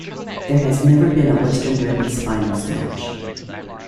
There has never been a Western Derby finals match.